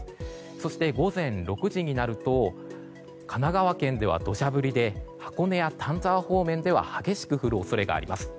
そして、午前６時になると神奈川県では土砂降りで箱根や丹沢方面では激しく降る恐れがあります。